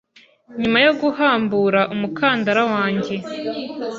Nyuma yo guhambura umukandara wanjye